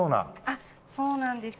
あっそうなんです。